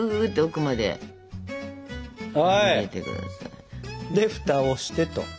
で蓋をしてと。